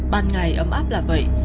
ban ngày ấm áp là vậy